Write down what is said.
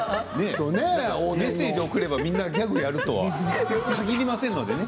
メッセージを送ればみんなギャグやるとは限りませんのでね。